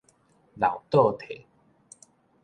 老倒退